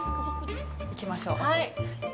行きましょう。